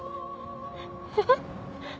えっ？